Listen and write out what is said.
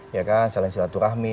ya kan saling silaturahmi